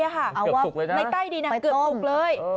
เกือบสุกเลยนะในใต้ดีนะเกือบสุกเลย